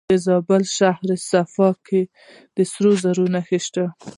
د زابل په شهر صفا کې د سرو زرو نښې شته.